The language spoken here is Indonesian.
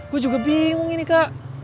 gue juga bingung ini kak